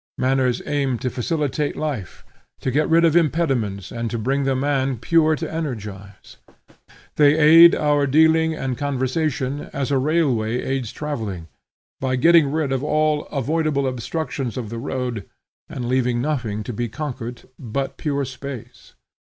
Manners aim to facilitate life, to get rid of impediments and bring the man pure to energize. They aid our dealing and conversation as a railway aids travelling, by getting rid of all avoidable obstructions of the road and leaving nothing to be conquered but pure space.